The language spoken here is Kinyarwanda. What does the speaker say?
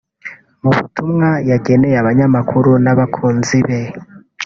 Mu butumwa yageneye abanyamakuru n’abakunzi be